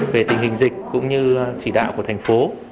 về tình hình dịch cũng như chỉ đạo của thành phố